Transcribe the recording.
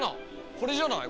これじゃない？